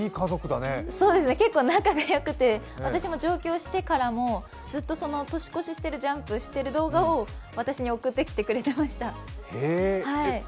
結構仲が良くて私も上京してからも、ずっと年越ししてるジャンプしてる動画を私に送ってきてくれてました。